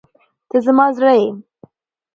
ته زما زړه یې.